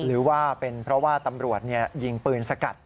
หรือว่าเป็นเพราะว่าตำรวจยิงปืนสกัด